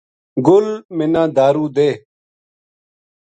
گل منا دارُو دے